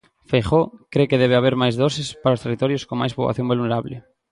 Feijóo cre que debe haber máis doses para os territorios con máis poboación vulnerable...